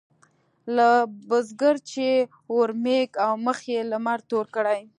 لکه بزګر چې اورمېږ او مخ يې لمر تور کړي.